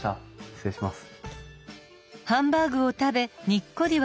失礼します。